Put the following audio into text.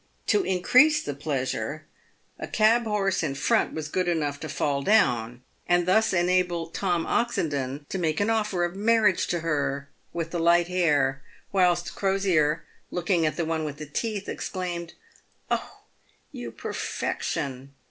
To increase the pleasure, a cab horse in front was good enough to fall down, and thus enable Tom Oxendon to make an offer of marriage to her with the light hair, whilst Crosier, looking at the one with the teeth, exclaimed, " Oh, you perfection